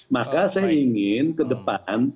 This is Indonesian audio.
maka saya ingin ke depan